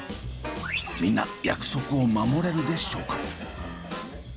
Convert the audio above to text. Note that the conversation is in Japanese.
みんな約束を守れるでしょうか？